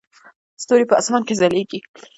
ستوري په اسمان کې ځلیږي